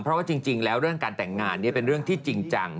เพราะว่าจริงแล้วเรื่องการแต่งงานเป็นเรื่องที่จริงจัง